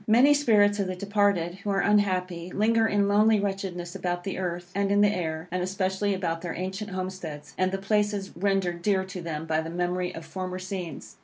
Many spirits of the departed, who are unhappy, linger in lonely wretchedness about the earth, and in the air, and especially about their ancient homesteads, and the places rendered dear to them by the memory of former scenes.